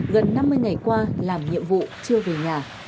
gần năm mươi ngày qua làm nhiệm vụ chưa về nhà